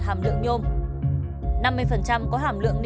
là một loại chất lượng